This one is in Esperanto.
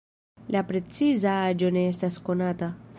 La preciza aĝo ne estas konata.